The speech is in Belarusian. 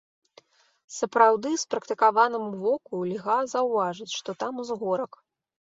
Сапраўды спрактыкаванаму воку льга заўважыць, што там узгорак.